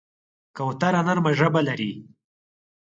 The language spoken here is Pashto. کوتره نرمه ژبه لري.